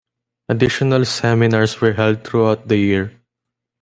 Additional seminars were held throughout the year.